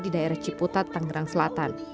di daerah ciputat tangerang selatan